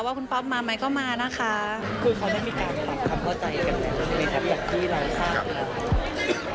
อย่างที่ร้านภาพ